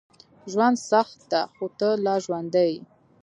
ژوند سخت ده، خو ته لا ژوندی یې.